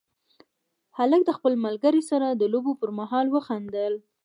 هلک د خپل ملګري سره د لوبو پر مهال وخندل.